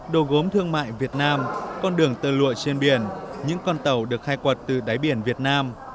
đồ gốm thương mại việt nam con đường tơ lụa trên biển những con tàu được khai quật từ đáy biển việt nam